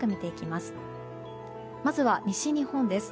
まずは西日本です。